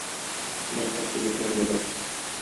Башка сәбәпләр дә бар.